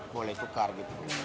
boleh tukar gitu